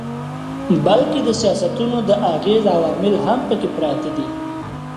بلکي د سياستونو د اغېز عوامل هم پکښې پراته دي